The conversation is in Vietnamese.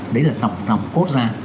đấy là nằm cốt ra